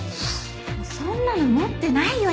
そんなの持ってないよ